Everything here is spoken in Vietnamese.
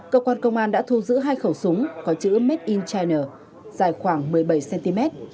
cơ quan công an đã thu giữ hai khẩu súng có chữ made in china dài khoảng một mươi bảy cm